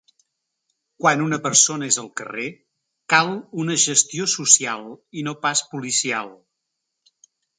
Quan una persona és al carrer, cal una gestió social i no pas policial.